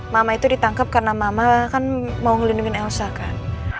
mama itu ditangkap karena mama kan mau melindungi elsa kan